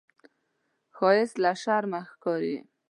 ښایست له شرمه ښکاري